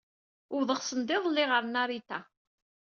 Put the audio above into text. Wwḍeɣ sendiḍelli ɣer Narita.